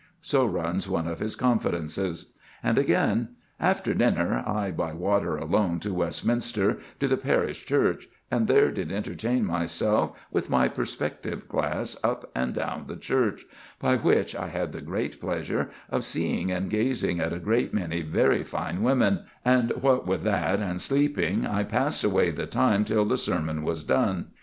So runs one of his confidences. And again: "After dinner, I by water alone to Westminster to the parish church, and there did entertain myself with my perspective glass up and down the church, by which I had the great pleasure of seeing and gazing at a great many very fine women; and what with that and sleeping, I passed away the time till the sermon was done."